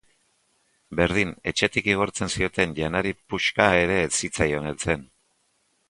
Berdin etxetik igortzen zioten janari puxka ere ez zitzaion heltzen.